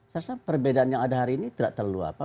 saya rasa perbedaan yang ada hari ini tidak terlalu apa